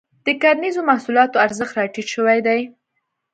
د کرنیزو محصولاتو ارزښت راټيټ شوی دی.